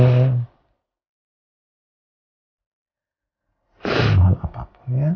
mohon apapun ya